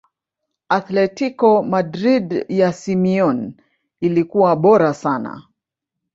athletico madrid ya simeone ilikuwa bora sana